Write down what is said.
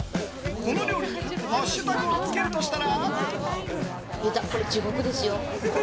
この料理にハッシュタグをつけるとしたら？